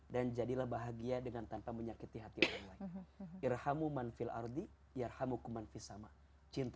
dan jadilah bahagia dengan tanpa menyakiti hati orang lain